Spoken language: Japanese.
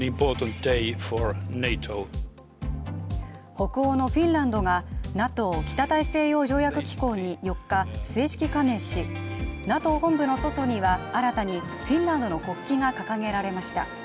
北欧のフィンランドがＮＡＴＯ＝北大西洋条約機構に４日、正式加盟し、ＮＡＴＯ本部の外には新たにフィンランドの国旗が掲げられました。